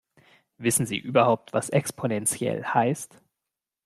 Wissen Sie überhaupt, was exponentiell heißt?